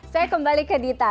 saya kembali ke dita